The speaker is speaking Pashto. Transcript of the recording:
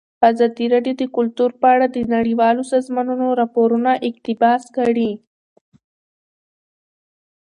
ازادي راډیو د کلتور په اړه د نړیوالو سازمانونو راپورونه اقتباس کړي.